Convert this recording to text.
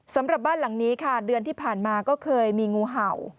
สำหรับบ้านหลังนี้ค่ะเดือนที่ผ่านมาก็เคยมีงูเห่า